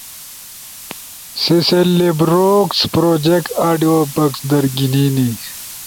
، سی سے لیبروکس پروجیکٹ آڈیوبکس در گھینینی۔